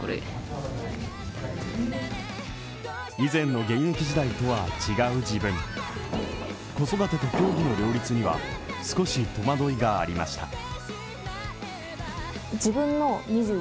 以前の現役時代とは違う自分子育てと競技の両立には少し戸惑いがありました。